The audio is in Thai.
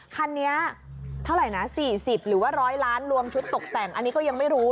คันนี้เท่าไหร่นะ๔๐หรือว่า๑๐๐ล้านรวมชุดตกแต่งอันนี้ก็ยังไม่รู้